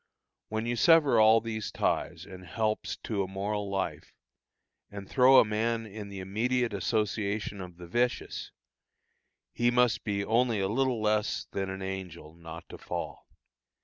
When you sever all these ties and helps to a moral life, and throw a man in the immediate association of the vicious, he must be only a little less than an angel not to fall.